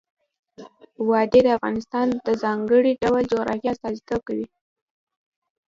وادي د افغانستان د ځانګړي ډول جغرافیه استازیتوب کوي.